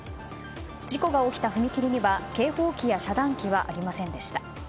事故が起きた踏切には、警報機や遮断機はありませんでした。